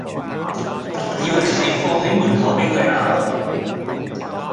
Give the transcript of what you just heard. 以為係放喺門口俾佢咬